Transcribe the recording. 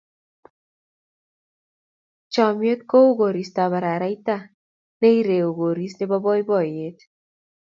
Chomnyet kou koristab araraita ne ireu koris nebo boiboiyet.